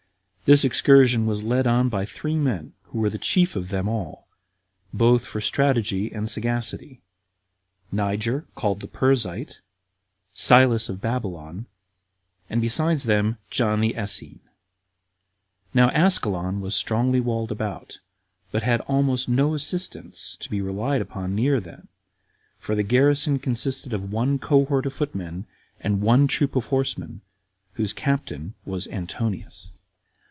This excursion was led on by three men, who were the chief of them all, both for strength and sagacity; Niger, called the Persite, Silas of Babylon, and besides them John the Essene. Now Ascalon was strongly walled about, but had almost no assistance to be relied on [near them], for the garrison consisted of one cohort of footmen, and one troop of horsemen, whose captain was Antonius.